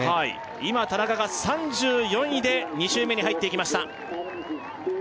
はい今田中が３４位で２周目に入っていきました